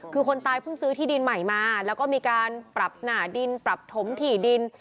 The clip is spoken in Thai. คือคนตายเพิ่งซื้อที่ดินใหม่มาแล้วก็มีการปรับหนาดินปรับถมถี่ดิน